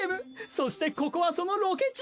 そしてここはそのロケ地。